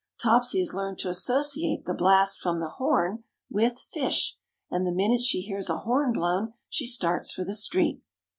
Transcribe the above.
Topsy has learned to associate the blast from the horn with "fish," and the minute she hears a horn blown she starts for the street.